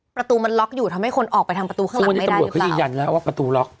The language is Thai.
ประตูมันล็อกอยู่ทำให้คนออกไปทางประตูข้างล่างวันนี้ตำรวจเขายืนยันแล้วว่าประตูล็อก